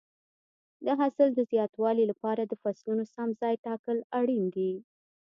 د حاصل د زیاتوالي لپاره د فصلونو سم ځای ټاکل اړین دي.